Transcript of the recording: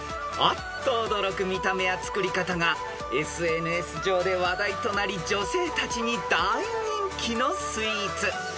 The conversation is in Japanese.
［あっと驚く見た目や作り方がＳＮＳ上で話題となり女性たちに大人気のスイーツ］